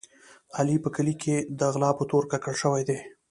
علي په کلي کې د غلا په تور ککړ شوی دی.